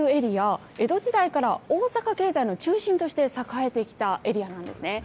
この船場というエリア、江戸時代から大阪経済の中心として栄えてきたエリアなんですね。